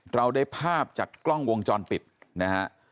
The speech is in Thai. เราได้ภาพจากกล้องวงจรปิดนะฮะ